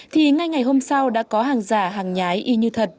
thì ngay ngày hôm sau đã có hàng giả hàng nhái y như thật